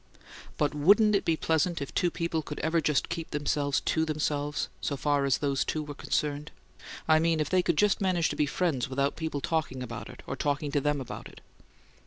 "But, WOULDN'T it be pleasant if two people could ever just keep themselves TO themselves, so far as they two were concerned? I mean, if they could just manage to be friends without people talking about it, or talking to THEM about it?"